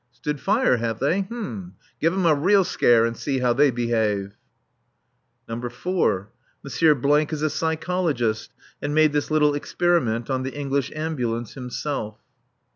("Stood fire, have they? Give 'em a real scare, and see how they behave.") (4.) M. is a psychologist and made this little experiment on the English Ambulance himself.